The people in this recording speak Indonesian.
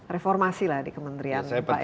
reformasi lah di kementerian pak eko